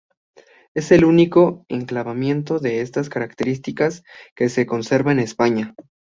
Es el único enclavamiento de estas características que se conserva en España.